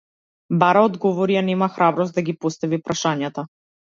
Бара одговори, а нема храброст да ги постави прашањата.